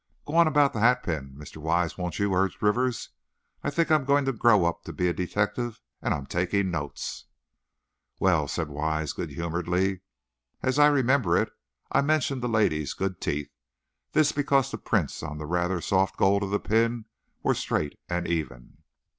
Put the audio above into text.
"Go on about the hatpin, Mr. Wise, won't you?" urged Rivers. "I think I'm going to grow up to be a detective and I'm taking notes." "Well," said Wise, good humoredly, "as I remember it, I mentioned the lady's good teeth. This, because the prints on the rather soft gold of the pin were straight and even."